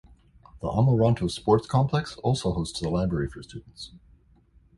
The Amoranto Sports Complex also hosts a library for students.